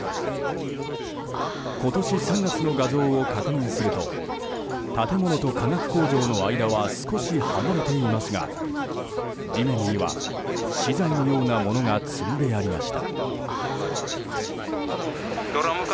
今年３月の画像を確認すると建物と化学工場の間は少し離れていますが地面には、資材のようなものが積んでありました。